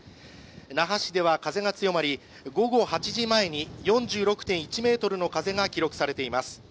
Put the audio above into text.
那覇市では、風が強まり午後８時前に４６．１メートルの風が記録されています。